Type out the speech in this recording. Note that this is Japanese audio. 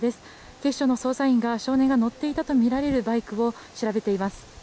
警視庁の捜査員が少年が乗っていたとみられるバイクを調べています。